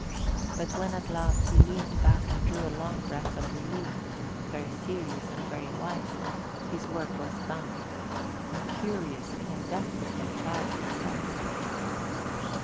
But when at last he leaned back and drew a long breath of relief, very serious and very wise, his work was done, and curiously and deftly contrived it was.